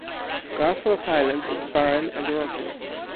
Garforth Island is barren and rocky.